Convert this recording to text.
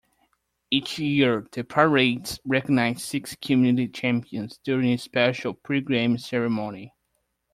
Each year, the Pirates recognize six "Community Champions" during a special pregame ceremony.